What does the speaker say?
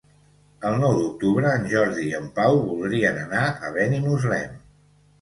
El nou d'octubre en Jordi i en Pau voldrien anar a Benimuslem.